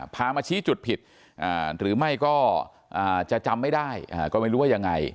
พามาชี้จุดผิดหรือไม่ก็จะจำไม่ได้ก็ไม่รู้ว่ายังไง